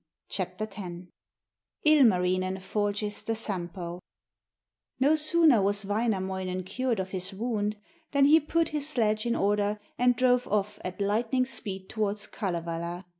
ILMARINEN FORGES THE SAMPO No sooner was Wainamoinen cured of his wound than he put his sledge in order and drove off at lightning speed towards Kalevala.